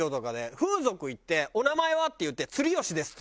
風俗行って「お名前は？」って言って「ツリヨシです」って。